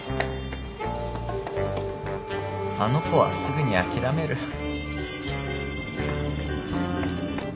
あの子はすぐに諦める。